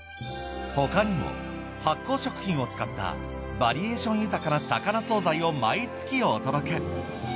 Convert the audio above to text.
他にも発酵食品を使ったバリエーション豊かな魚惣菜を毎月お届け。